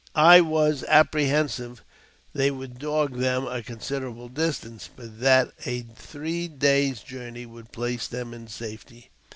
I was ap prehensive they would dog them a considerable distance, but that a three days' journey would place them in safety.